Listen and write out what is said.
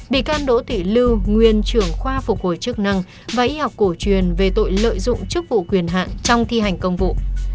bị can đỗ thị lưu nguyên trưởng khoa phục hồi chức năng và y học cổ truyền về tội lợi dụng chức vụ quyền hạn trong thi hành công vụ